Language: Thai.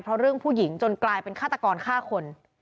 เพราะเรื่องผู้หญิงจนกลายเป็นฆาตกรฆ่าคน